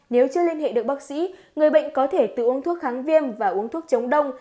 nếu chưa liên hệ được bác sĩ người bệnh có thể tự uống thuốc kháng viêm và uống thuốc chống đông